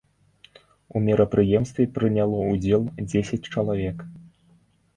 У мерапрыемстве прыняло ўдзел дзесяць чалавек.